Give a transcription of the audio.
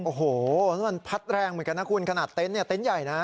โอ้โหแล้วมันพัดแรงเหมือนกันนะคุณขนาดเต็นต์เนี่ยเต็นต์ใหญ่นะ